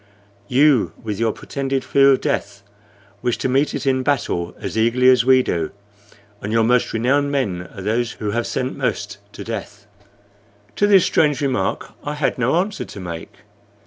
You, with your pretended fear of death, wish to meet it in battle as eagerly as we do, and your most renowned men are those who have sent most to death." To this strange remark I had no answer to make.